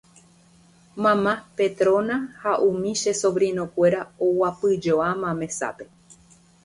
mamá, Petrona ha umi che sobrinokuéra oguapyjoáma mesápe